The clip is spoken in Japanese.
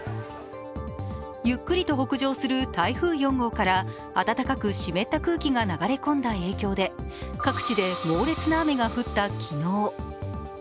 ゆっくりと北上する台風４号から、暖かく湿った空気が流れ込んだ影響で、各地で猛烈な雨が降った昨日。